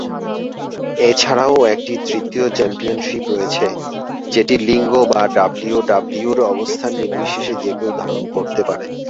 এছাড়াও একটি তৃতীয় চ্যাম্পিয়নশিপ রয়েছে, যেটি লিঙ্গ বা ডাব্লিউডাব্লিউইর অবস্থান নির্বিশেষে যে কেউ ধারণ করতে পারে।